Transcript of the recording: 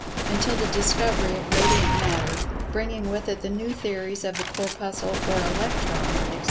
Until the discovery of Radiant Matter (bringing with it the new theories of the Corpuscle or Electron, etc.)